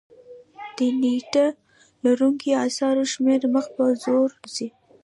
د نېټه لرونکو اثارو شمېر مخ په ځوړ ځي.